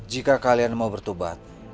jika kalian mau bertubat